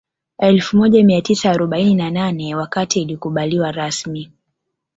Elfu moja mia tisa arobaini na nane wakati ilikubaliwa rasmi